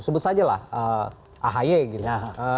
sebut saja lah ahy gitu